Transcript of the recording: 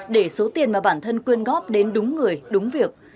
để số tiền mà bản thân quyên góp đến đúng người đúng việc